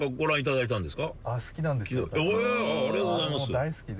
大好きで。